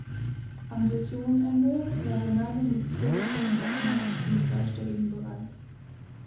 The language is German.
Am Saisonende war Ronaldo mit zwölf Toren erstmals im zweistelligen Bereich.